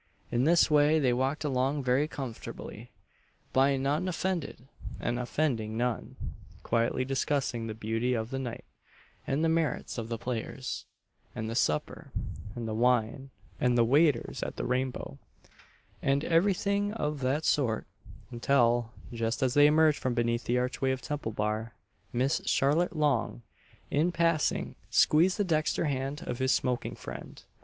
In this way they walked along very comfortably "by none offended, and offending none" quietly discussing the beauty of the night, and the merits of the players, and the supper, and the wine, and the waiters at the Rainbow, and every thing of that sort, until, just as they emerged from beneath the arch way of Temple bar, Miss Charlotte Long, in passing, squeezed the dexter hand of his smoking friend.